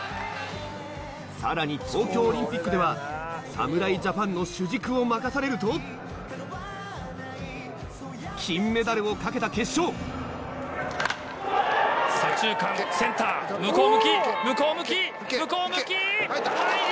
さらに東京オリンピックでは侍ジャパンの主軸を任されると金メダルを懸けた決勝向こう向き向こう向き。